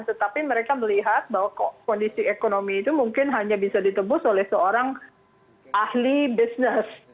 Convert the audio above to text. tetapi mereka melihat bahwa kondisi ekonomi itu mungkin hanya bisa ditebus oleh seorang ahli bisnis